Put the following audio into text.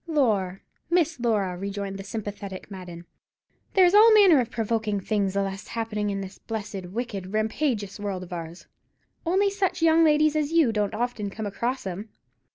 "Lor', Miss Laura," rejoined the sympathetic Madden, "there's all manner of provoking things allus happenin' in this blessed, wicked, rampagious world of ours; only such young ladies as you don't often come across 'em.